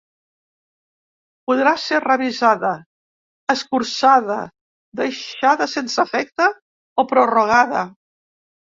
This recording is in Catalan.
Podrà ser revisada, escurçada, deixada sense efecte o prorrogada.